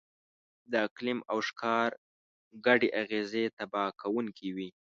د اقلیم او ښکار ګډې اغېزې تباه کوونکې وې.